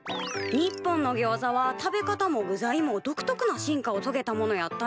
日本のギョウザは食べ方も具材も独特な進化をとげたものやったんやね。